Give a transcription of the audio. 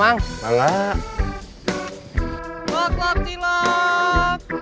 assalamualaikum mang w zachat